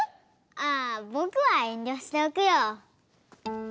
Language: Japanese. ああぼくはえんりょしておくよ。